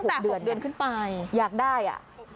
ตั้งแต่๖เดือนขึ้นไปอยากได้อ่ะ